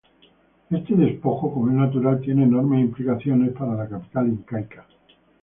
Este despojo, como es natural, tiene enormes implicaciones para la capital incaica.